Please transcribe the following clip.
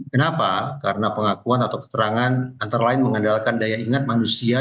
kenapa karena pengakuan atau keterangan antara lain mengandalkan daya ingat manusia